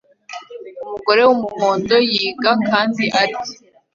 Umugore wumuhondo yiga kandi akarya